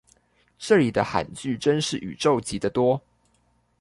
這裡的罕句真是宇宙級的多